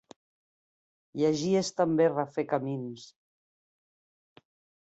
Llegir és també refer camins.